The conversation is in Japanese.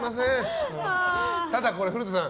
ただこれ古田さん